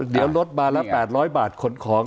เดี๋ยวรถมาละ๘๐๐บาทขนของ